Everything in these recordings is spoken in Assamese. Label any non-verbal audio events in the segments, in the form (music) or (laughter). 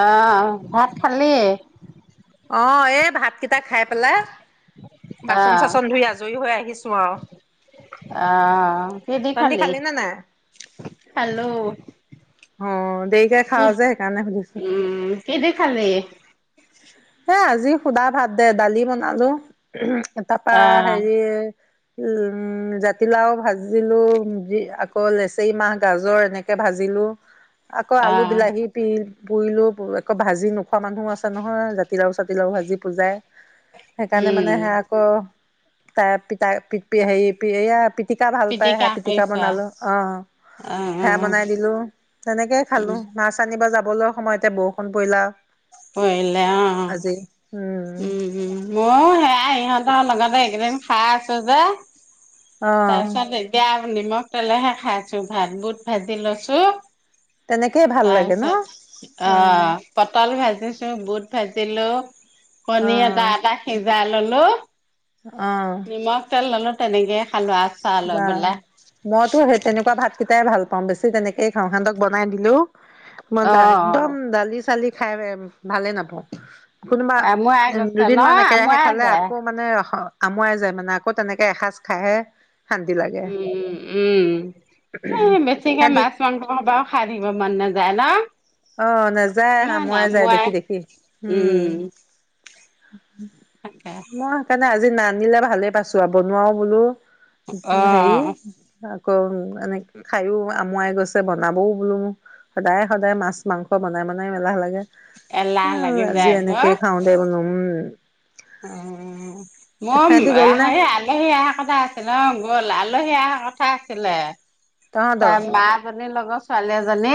অ, ভাত খালি। অ, এই ভাত কে খাই পেলাই, বাচন আহ চাচন ধুই আজৰি হৈ আহিছো আৰু। আহ কি দি তহটি খালি নে নাই। খালো অ, দেৰিকে খাৱ যে সেইকাৰণে সুধিছো। কিহেদি খালি? এ আজি সুধা ভাত দে দালি বনালো। তাৰপৰা আহ হেৰি উম, জাতিলাওঁ ভাজিলো, আকৌ লেচেৰি মাহ গাজৰ এনেকে ভাজিলো। আকৌ আলু আহ বিলাহী পি পুৰিলো পু একো ভাজি নোখোৱা মানুহো আছে নহয়। জাতিলাওঁ চাতিলাওঁ ভাজি পূজাই, সেইকাৰণে উম মানে সেই আকৌ। তাৰ (unintelligible) পিটিকা ভাল পাই সে পিটিকা বনালো অ, অ' অ' সেয়া বনাই দিলো, তেনেকেই উম খালো। মাছ আনিব যাব খাবলৈ সময়তে বৰষুণ পৰিলা। (unintelligible) অ, উম, উম, মইয়ো সেয়াই সিহঁতৰ লগতে (unintelligible) খাই আছো যে। অ তাৰপিছত (unintelligible) নিমখ তেলেহে খাইছো ভাত, বুট ভাজি লৈছো। তেনেকেই ভাল লাগে ন তাৰপিছত অ, পটল ভাজি বুট ভাজিলোঁ। অ কণী এটা এটা সিজাই ললো হেল্ল'। অ নিমখ তেল ললো। তেনেকে বা, মইতো সেই তেনেকুৱা ভাতকেইটাই ভাল কম বেছি তেনেকেই খাওঁ সেহঁনতক বনাই দিলেঁও। মই দা অ', একদম দালি চালি খাই বেয়া পাওঁ। ভালেই নাপাওঁ। কোনোবা, আমুৱাই গৈছে ন দুদিনমান একেৰাহে আমুৱাই খালে যায়। আকৌ মানে অশ আমাৱায় যায় মানে আকৌ তেনেকে এসাঁজ খাইহে শান্তি লাগে। উম, উম, সেই বেছিকে সিহঁতি মাছ মাংসও সদায় খাই থাকিব মন নাযায় ন। অ, নাযায় আমুৱাই যায় দেখি দেখি, উম। তাকে (inaudible) মই সেইকাৰণে আ (unintelligible) নানিলে ভালে পাইছো আৰু বনোৱাও বোলো। হেৰি অ', এনে খায়ো আমুৱাই গৈছে বনাবও বোলো সদায় সদায় মাছ। মাংস বনাই বনাই এলাহ লাগে। এলাহ লাগি আজি এনেকেই খাওঁ দে বোলো উম। উম সিহঁতি মোৰ গ'ল নে আলহী আহাৰ কথা আছিল অ', গ'ল আলহী আহা কথা আছিলে। তহঁতৰ তাৰ মা জনীৰ লগত ছোৱালী এজন। জানী।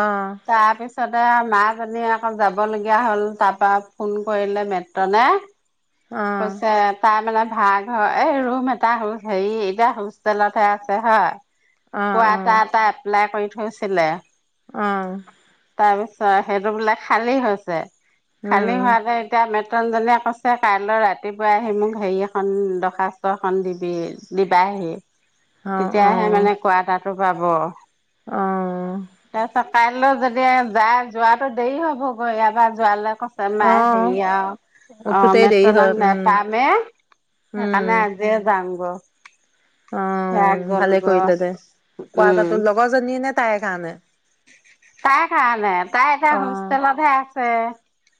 অ তাৰপিছতে আমাক ইফালে আকৌ যাব লগীয়া হ'ল তাৰপা ফোন কৰিলে মেট্ৰনে। অ কৈছে তাৰ মানে। ভাৰাঘৰ এই ৰুম এটা হ হেৰি এতিয়া হোষ্টেলত হে আছে হয়। অ পোৱা এটা এটা এপ্লাই কৰি হৈছিলে। অঁ। তাৰ পিছত সেইটো বোলে খালী হৈছে। খালী উম, হোৱাতে এতিয়া মে (unintelligible) কৈছে কাইলৈ ৰাতিপুৱাই আহি মোক হেৰি এখন দৰ্খাস্ত এখন দিবি দিবাহি। অ', তেতিয়াহে অ', মানে কোৱা তাত। (unintelligible) পাব অ', (unintelligible) কাইলৈ যদি যায় যোৱাটো দেৰি হবগৈ ইয়াৰপা যোৱালে। কৈছে মাই হেৰি অ', আৰু অ উঠোতেই দেৰি হয়, মেট্ৰনক উম, নেপামে উম, সেইকাৰণে আজিয়ে যাম গৈ। অ' ভালে কৰিলে গৈ দে উম কোৱাতাৰতো লগৰজনী এনে তাইৰ কাৰণে। তাইৰ কাৰণে তাই এতিয়া হোমষ্টেলতহে আছে।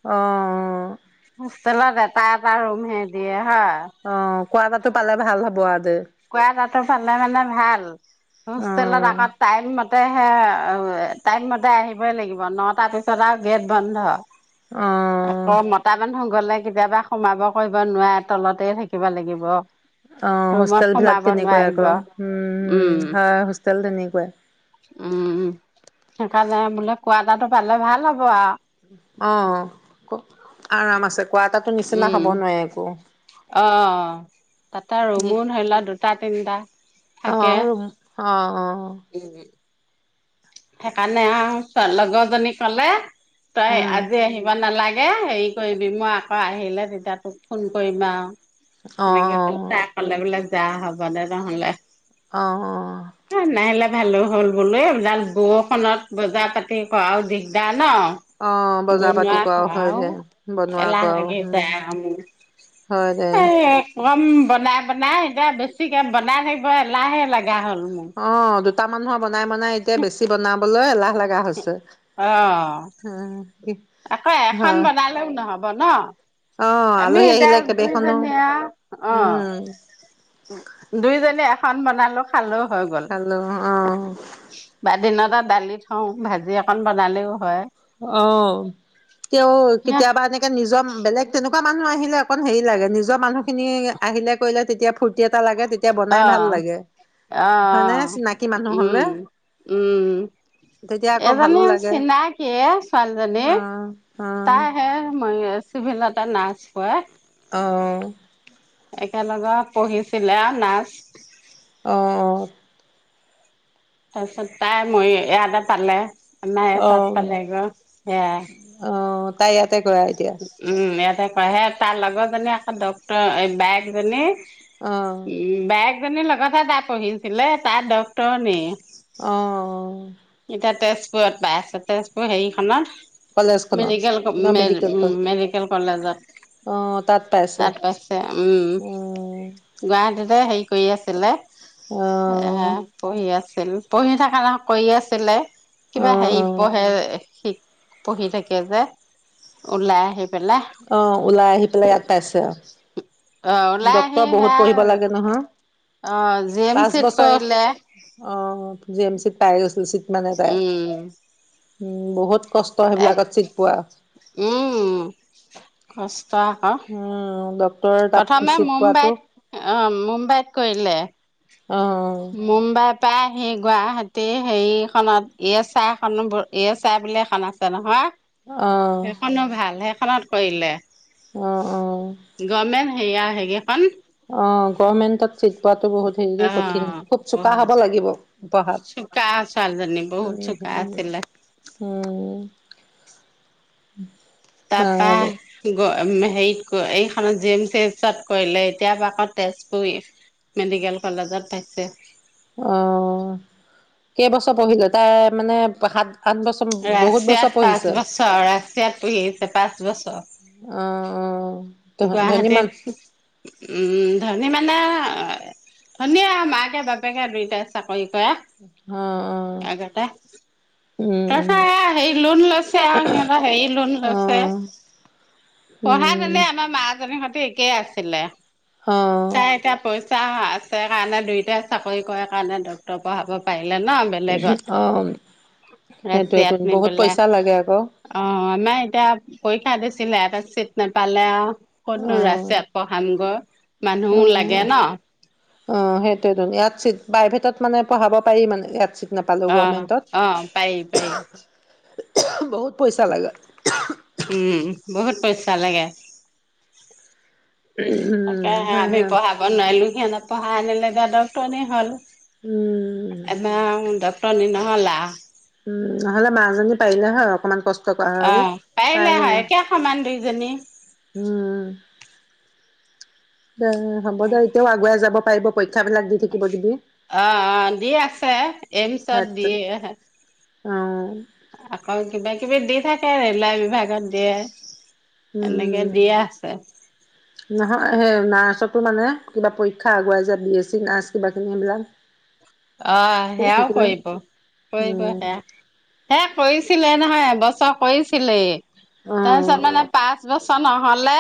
অঁ, অঁ, হোষ্টেলত এটা- এটা ৰুম হে দিয়ে। হা। কোৱাৰটো পালে ভাল হ'ব আৰু। দে। কোৱাৰটো পালে মানে ভাল হোষ্টেলত অ', আকৌ টাইম ম তাতে সে টাইমতে আহিবই লাগিব ন তাৰ পিছত আৰু গেট বন্ধ। অ', আকৌ মতা মানু্হ। গ'লে কেতিয়াবা সোমাব কৰিব নোৱাৰে তলতে থাকিব লাগিব অ' ৰুমত হোষ্টেল বিলাক সোমাব তেনেকুৱাই নোৱাৰিব আকৌ উমম উম হয় হোষ্টেল তেনেকুৱাই তেনেকুৱাই উম সেইকাৰণে বোলে কোৱা দাটো পালে ভাল হ'ব আৰু। অ' ক আৰাম আছে কোৱা এটাাতো নিচিনা উম হব নোৱাৰে একো অ ' তাতে ৰমন ধৰিলা দুদিন তাত তিনিটা থাকে অ' উম অ' সেইকাৰণে আৰু লগৰজনী ক'লে। তই উম। আজি আহিব নালাগে। তাকে হেৰি কৰিবি মই আকৌ আহিলে তেতিয়া তোক ফোন কৰিম আৰু। অ', তেনেকে অ', তাই কলে বোলে যা হ'ব দে নহ'লে। অ 'অ নাহিলে ভালো হ'ল বোলো এডাল। বৰষুত বজাৰ পাতি কৰাও দিগদাৰ। ন অ', বজাৰ পাতি বনোৱা কৰাও খোৱা হয় আৰু দে। বনোৱা এলাহ কৰাও লাগি উম, যায় আৰু মোৰ। হয় দে। কম বনাই বনাই এতিয়া বেছিকে বনাই থাকিব এ লাহে লাগে। গা হ'ল মোৰ তা মানুহৰ বনাই মানাই এতিয়া বেছি বনাম। ক'লৈ এলাহ লগা হৈছে। অ' অ', আকৌ এখন হয়, বনালেও ন' হব ন' অ', আমি আলহী এতিয়া আহিলে কেইবেখনো দুইজনীয়া অ উম, দুইজনীয়া। খন বনালো খালো খালো আহ। দিনটা দালি থওঁ ভাজি অকণ বনালেও হয় অ' তেওঁ অ' কেতিয়াবা এনেকে নিজৰ বেলেগ তেনেকুৱা এনেকুৱা মানুহ আহিলে অকণ হেৰি লাগে নিজৰ মানুহখিনি আহিলে কৰিলে তেতিয়া ফূৰ্তি এটা লাগে তেতিয়া বনাই অ ভাল লাগে। -অ হয়নে চিনাকি মানুহ হ'লে উম -উম তেতিয়া আকৌ ভালো এজনী লাগে। চিনাকি এ ছোৱালীজনী অ', তাই অ', হে তুভনতা নাচ পোৱা অ (inaudible) একেলগে পঢ়িছিলে আৰু নাচ (inaudible) অ অ (inaudible) তাৰ পিছত তাই মই এয়া এটা পালে নাই অ', তাতপালে গৈ সে (inaudible) তাত (unintelligible) ইয়াতে কৰে এতিয়া (inaudible) কয় সে তাৰ লগতজনী আকৌ ডক্তৰ বায়েকজনী অ', উম বায়ে জনীৰ লগততে তাত পঢ়িছিলে তাই ডাক্তৰণী- অ', এতিয়া তেজপুৰত পাই আছে তেজপুৰ হেৰিখনত কলেজখনত মেডিকেল ন মেডিকেল ক উম মেডিকেল কলেজত অ', পাইছোঁ তাত পাইছে উম উম, গুৱাহাটীতে হেৰি কৰি আছে পেলাই এ অ', পঢ়ি আছো আছিল পঢ়ি থাকে ল কৰি আছিল পেলেই অ', কিবা হেৰি অ', পঢ়ে শিক পঢ়ি থাকে যে ওলাই আহি পেলাই অহ ওলাই আহি পেলাই ইয়াত পাইছে অহ (inaudible) অ ওলাই আহি ডক্তৰ বহুত সেয়া পঢ়িব লাগে নহয় অ' জিম পাঁচ চি বছৰ কৰিলে (inaudible) অ' জি এম চিত পাই গৈছে উম (inaudible) বহুত (inaudible) কষ্ট এ সেইবিলাকত চিক পোৱা উম কষ্ট আকৌ উম তাত প্ৰথমে চিট পোৱাটো মুম্বাইত অ মুম কৰিলে অহ তায় আহি সেই গুৱাহাটীৰ হেৰিখনত এই চাহ এখন এই চাহ বুলি এখন আছে নহয় অ', সেইখনো ভাল হে খেলত কৰিলে। আহঁ অঁ' সয়াৰ হে অ গভমেণ্টত চিক পোৱাাতটো বহুত হেৰি কঠিন। খুব চোকা হ'ব লাগিব। পঢ়াত। চুকা ছোৱালী জনি বহুত উম, চুকা হম, আছিলে। উম (unintelligible) তপা বাৰু গছ হেৰিত এইখনত জি এম চি এচত কৰিলে এতিয়াৰ পৰা আকৌ তেজপুৰ মেডিকেল কলেজত পাইছে। অ', কেইবছৰ পঢ়িলে তাই মানে সাত আঠ বছৰ বহুত বছৰ ৰাছিয়াত পাঁচ পঢ়িছে। বছৰ ৰাছিয়াত পুহিছে পাঁচ অ', বছৰ। অ', ধ ধনী মান গুৱাহাটীত উম ধনী মানে ধনিয়া মাকে বাপেকে দুইটাই চাকৰি কৰি অ', অ', কৰা আগতে উম, তাৰ উম। হে লোন লৈছে আৰু সিহঁতৰ হেৰি লোন লৈছে অ', পঢ়া উম, তেনে আমাৰ মাজনী সতে ঠিকেই আছিলে। অ', চাই তাৰপছ আছে কাৰণে দুইোটাই চাকৰি কৰে কাৰণে ডক্তটৰ পঢ়াব পাৰিম। ল ন অ'। বেলেগত সেইটোৱেতো ৰাছিয়াত নি বহুত পেলাই পইচা লাগে আকৌ অ আমাৰ এতিয়া পৰীক্ষা দি চিলাই এটা চিট নাপালে। ক'তনো অ', ৰাছিয়াত পঢ়ামগৈ মানুহ লাগে অ'। ন অ সেইটোৱেতো ইয়াত চিত প্ৰাইভেটত মানে পঢ়াব পাৰি মানে ইয় আহ আহ পায় পায়। বহুত পইচা লাগে। উম বহুত পইচা লাগে। তাকে উম হে আমি পঢ়াব নোৱাৰিলো সিহঁতে পঢ়াই আনিলে বাৰু ডাক্টৰনি হ'ল উম এতিয়া অ' পোৱালি নহ'লে আহ উম নহ'লে মাজনী পাৰিলে হয় অকমান কষ্ট কৰা আৰু পাই গ'ল জেনী উম। অ' হ'ব দে এতিয়াও আগুৱাই যাব পাৰিব। পৰীক্ষাবিলাক দি থাকিব দিবি অ', -অ' দি আছে এইমচত সেত দি অ। আকৌ কিবা-কিবি দি থাকে ৰে'লৱে বিভাগত দিয়ে। এনেকে দিয়ে আছে উম নহয় সেই নাৰ্চত নাৰ্চত মানে কিবা পৰীক্ষা আগুৱাই যায়, বি এ চি নাৰ্ছ কিবা খিনি এইবিলাক অ' কৰি সেয়াও থাকিলে কৰিব, কৰিব উম সেয়া, সেয়া কৰিছিলে নহয় এবছৰ এবছৰ কৰিছিলেই। অ তাৰপিছত মানে পাঁচ বছৰ ন হ'লে।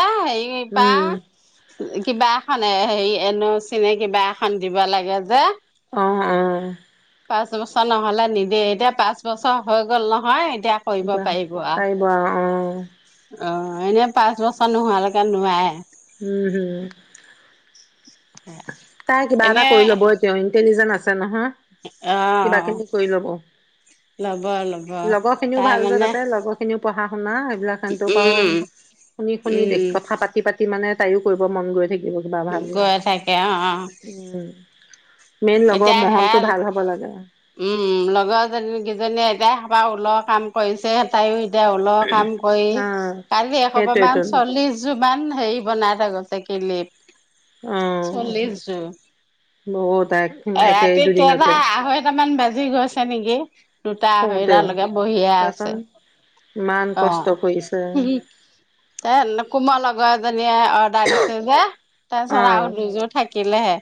উম কিবা কিবা এখন এ হেৰি এ নো চি নে কিবা এখন দিব লাগে যে। অ', -অ। পাঁচ বছৰ নহ'লে নিদিয়ে এতিয়া পাঁচ বছৰ হৈ গ'ল নহয়। এতিয়া কৰিব এ পাৰিব পাৰিব আৰু অহ। অ', এনে পাঁচ বছৰ নোহোৱালৈকে নোৱাৰে। উম-উম। তাই কিবা এটা কৰি এনে ল'ব এতিয়াও ইণ্টেলিজেন্ট আছে আছে নহয়। অ', কিবাকিবি কৰি লব, ল'ব ল'ব লগৰ খিনিও তাৰ ভাল যে মানে তাতে লগৰ খিনিও পঢ়া-শুনা বিলাক পা উম, শুনি শুনি দেখি উম, কথা পাতি পাতি মানে তায়ো কৰিব মন গৈ থাকিব। কিবা ভাল গৈ থাকে। অ', অ উম। মেইন লগৰ এতিয়া মহলটো হেল ভাল হ'ব লাগে উম লগৰজনী কেইজনীয়ে এতিয়া তাই ওলৰ কাম কৰিছে তাইক তাই ওলৰ কাম কৰি অ'। কালি এসোপা সেইটোৱেইটো মান চল্লিচযোৰ ইমান হেৰি বনাই থৈ গৈছে কিলিপ। অহ চল্লিশ যোৰ বহুত। এক একে ৰাতি কেইটা, দুদিনতে আঢ়ৈটামান বাজি গৈছে নিকি। (unintelligible) দুটা আঢ়ৈ শুওঁতে তা লেকে বহিয়ে আছে। চাচোন ইমান কষ্ট অ' কৰিছে তে লকোম লগৰ এজনীয়ে অৰ্ডাৰ দিছে যে তাৰপিছত আৰু অ', দুযোৰ থাকিলেহে।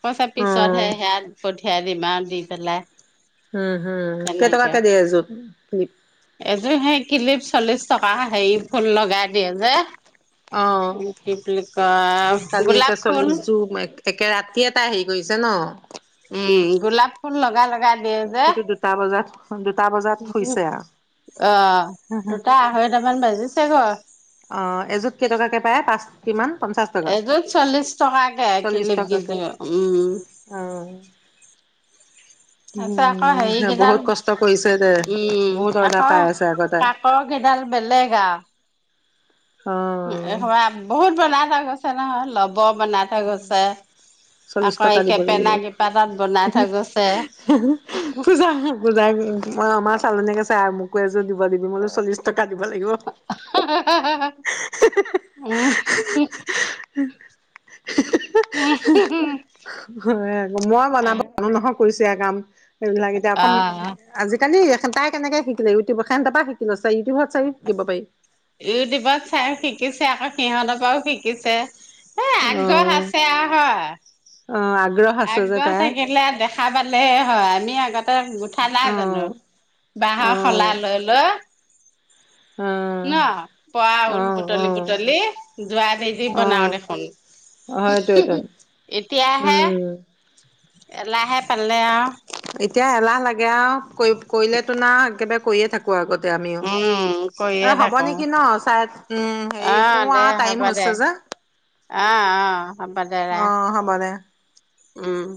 পা- পিছতহে অ'। সেয়াক পথি- পথিয়াই দি ইমান দি পেলাই। উম হম। কেইটকাকে দিয়ে এজোত? মিত এজোৰ সেই ক্লিপ চল্লিশ টকা, হেৰি ফুল লগাই দিয়ে যে। অহ। কি বুলি কয় কালি একে গোলাপ ফুল চল্লিশ জোৰ মা, একে ৰাতি এটা হেৰি- গৈছে ন। উম গোলাপ ফুল লগালে- লাগে যে। কিন্তু দুটা বজাত দুটা বজাত শুইছে অহ আৰু দুটা-আঢ়ৈটামান বাজিছে ঘৰ- অহ, এজোৰ কেইটকাকে পায়, পাঁচ কিমান? পঞ্চাশ টকা এজোৰ চল্লিশ টকাকে চল্লিশ ক্লিপ টকাকে কিযোৰ, অ উম। তাৰ পিছত আকৌ উম হেৰি কেইডাল বহুত কষ্ট কৰিছে দে উম, বহুত অৰ্ডাৰ পাই আকৌ আছে আকৌ তাই কাকৰ কেইডাল বেলেগ আৰু। অ এসোপা বহুত বনাবা গছ চে নহয়। লভ- উম চল্লিশ আকৌ টকা এই দিব লাগিব। কেপেনা কেইপাতাত বনাই হি‌ হি, থৈ গৈছে হি‌ হি, পূজা হি পূজা শ, মই আমাৰ- চালনীকে চাই, আৰু মোকো এজোৰ দিব দিবি, মই বোলোঁ চল্লিশ ট- কা দিব লাগিব। হি হি উম হি, হি হি, হি। হি হি হি হি। হয় আক- মই বনাব য-নো নহয় কৰিছ এতিয়া কাম এইবিলাক এতিয়া অ অকম, আজিকালি- খান তাই কেনেকে শিকিলে ইউটিউব খান, তাৰ পৰা শিকি লৈছে। ইউটিউব চাই শিকিব পাৰি। ইউটিউব চাই শিকিছে, আকৌ সিহঁতৰ পৰাও শিকিছে। এ অ আগ্ৰহ আছে আও হয়। অ', আছে যে আগ্ৰহ তাইৰ থাকিলে দেখা পালেই হয়। আমি আগতে গুঁঠা নাই অ জানো অ বাঁহৰ শলা লৈ লৈ। অ ন। পুৱা অ ঊল বুটলি বুটলি। যোৱা দি দি অ অ বনাওঁ দেখোন। হয়টোৱেটো এতিয়াহে। উম এলাহে পালে আৰু। এতিয়া এলাহ লাগে আৰু। কৰি, কৰিলেতো না একেবা- কৰিয়ে থাকো আগত- তে আমিও। উম কৰিয়ে এ হ'ব থাকো নেকি ন, চাই উম, হেৰি, শুও আৰু, টাইম হৈছে যে। অ'অ। অ', হ'ব দে। উম।